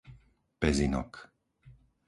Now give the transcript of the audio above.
Pezinok